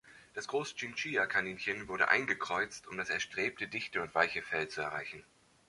Das Großchinchilla-Kaninchen wurde eingekreuzt, um das erstrebte dichte und weiche Fell zu erreichen.